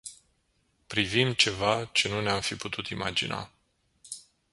Privim ceva ce nu ne-am fi putut imagina.